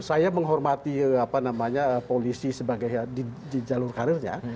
saya menghormati polisi di jalur karirnya